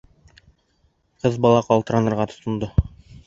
Ҡыҙ бала ҡалтыранырға тотондо.